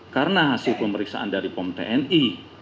karena hasil pemeriksaan dari pom tni